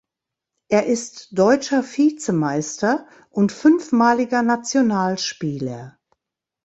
Er ist deutscher Vizemeister und fünfmaliger Nationalspieler.